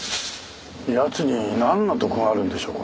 奴になんの得があるんでしょうか？